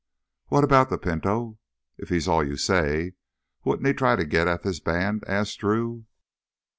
"What about the Pinto? If he's all you say, wouldn't he try to get at this band?" asked Drew.